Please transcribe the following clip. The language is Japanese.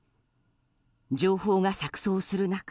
情報が錯綜する中